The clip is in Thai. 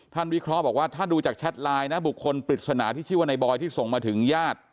วิเคราะห์บอกว่าถ้าดูจากแชทไลน์นะบุคคลปริศนาที่ชื่อว่าในบอยที่ส่งมาถึงญาติ